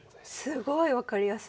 すごい分かりやすい。